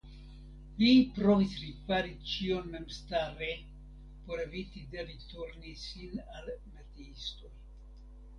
Li provis ripari ĉion memstare por eviti devi turni sin al metiistoj.